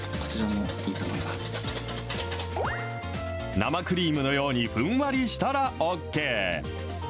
生クリームのようにふんわりしたらＯＫ。